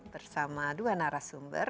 bersama dua narasumber